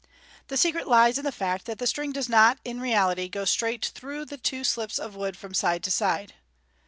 The secret lies in the fact that the string does not, in reality, go straight through the two slips of wood from side to side.